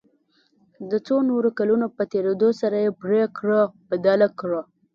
د څو نورو کلونو په تېرېدو سره یې پريکړه بدله کړه.